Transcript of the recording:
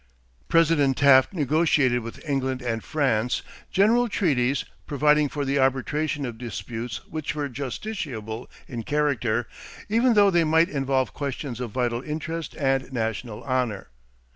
President Taft negotiated with England and France general treaties providing for the arbitration of disputes which were "justiciable" in character even though they might involve questions of "vital interest and national honor."